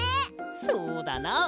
そうだな。